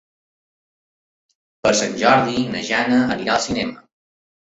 Per Sant Jordi na Jana anirà al cinema.